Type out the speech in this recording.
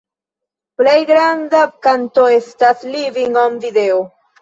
Plej granda kanto estas „Living on Video”.